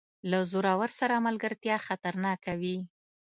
له زورور سره ملګرتیا خطرناکه وي.